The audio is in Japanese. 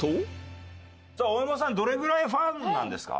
さあ大沼さんどれぐらいファンなんですか？